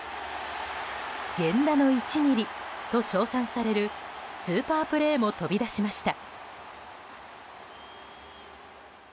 源田の１ｍｍと称賛されるスーパープレーも飛び出しました。